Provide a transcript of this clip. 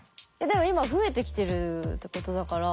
でも今増えてきてるってことだから。